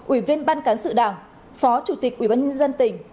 ủy viên ban cán sự đảng phó chủ tịch ủy ban nhân dân tỉnh